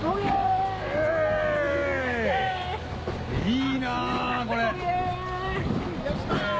いいなこれ。